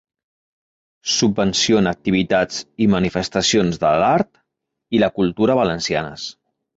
Subvencione activitats i manifestacions de l'art i la cultura valencianes.